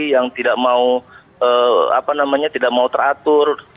yang tidak mau teratur